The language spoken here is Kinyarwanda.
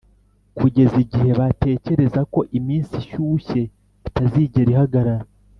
kugeza igihe batekereza ko iminsi ishyushye itazigera ihagarara;